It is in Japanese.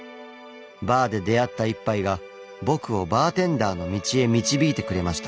バーで出会った一杯が僕をバーテンダーの道へ導いてくれました。